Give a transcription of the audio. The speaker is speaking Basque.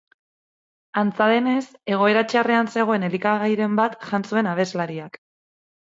Antza denez, egoera txarrean zegoen elikagairen bat jan zuen abeslariak.